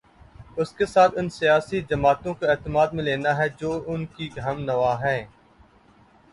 اس کے ساتھ ان سیاسی جماعتوں کو اعتماد میں لینا ہے جو ان کی ہم نوا ہیں۔